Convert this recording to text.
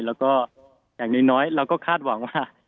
แล้วก็อย่างน้อยเราก็คาดหวังว่า